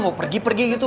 mau pergi pergi gitu